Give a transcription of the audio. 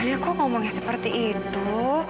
akhirnya kok ngomongnya seperti itu